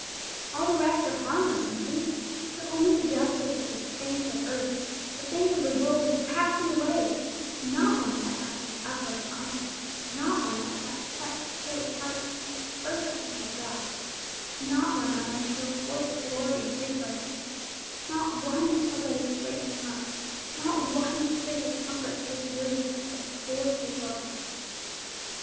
All the rest are harmless and pleasing, but only suggestive of the things of earth, the things of the world that is passing away; not one that might lead upward and onward, not one that might touch a careless heart to seek first the kingdom of God, not one that might show forth the glory and praise of our King, not one that tells out His grace and love, not one that carries His comfort to His weary ones or His joy to His loving ones.